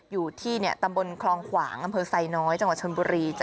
อยู่ที่ตำบลคลองขวางอำเภอไซน้อยจังหวัดชนบุรี